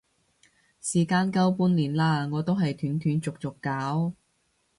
時間夠半年啦，我都係斷斷續續搞